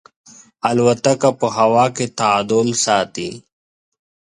الوتکه په هوا کې تعادل ساتي.